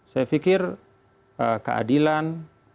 saya pikir keadilan